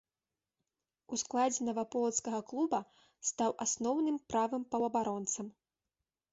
У складзе наваполацкага клуба стаў асноўным правым паўабаронцам.